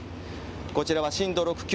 こちらは震度６強。